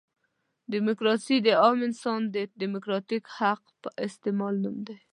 ډیموکراسي د عام انسان د ډیموکراتیک حق استعمال نوم دی.